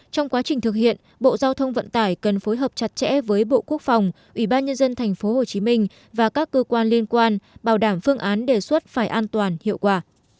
trong quá trình thực hiện bộ giao thông vận tải cần phối hợp chặt chẽ với bộ quốc phòng ủy ban nhân dân tp hcm và các cơ quan liên quan bảo đảm phương án đề xuất phải an toàn hiệu quả